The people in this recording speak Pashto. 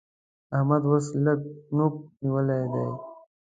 احمد اوس لږ نوک نيول دی